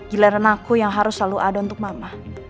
giliran aku yang harus selalu ada untuk mama